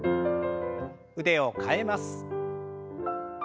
腕を替えます。